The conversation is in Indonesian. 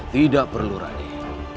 tidak perlu raden